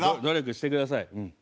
努力してください。